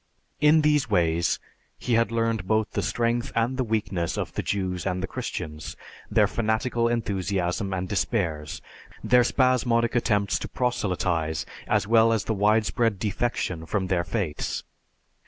In these ways he had learned both the strength and the weakness of the Jews and Christians; their fanatical enthusiasm and despairs; their spasmodic attempts to proselytize as well as the widespread defection from their faiths.